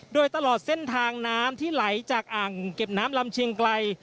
โดยตลอดเส้นทางน้ำที่ไหลจากอ่างเก็บน้ำลำเชียงไกล